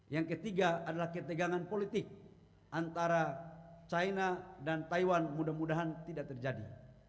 yang ketiga adalah ketegangan politik antara china dan taiwan mudah mudahan tidak terjadi